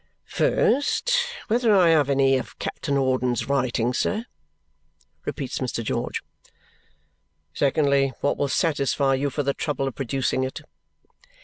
"First, whether I have any of Captain Hawdon's writing, sir," repeats Mr. George. "Secondly, what will satisfy you for the trouble of producing it?"